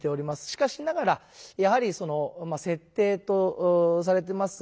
しかしながらやはりその設定とされてます